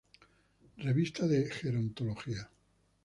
Revista de Gerontología.